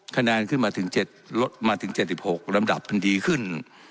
คะแนนขึ้นมาถึง๗ลดมาถึง๗๖ลำดับมันดีขึ้น